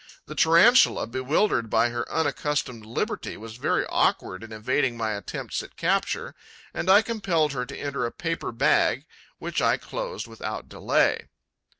The Tarantula, bewildered by her unaccustomed liberty, was very awkward in evading my attempts at capture; and I compelled her to enter a paper bag, which I closed without delay.